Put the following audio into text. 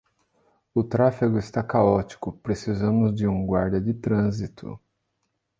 O tráfego está caótico, precisamos de um guarda de trânsito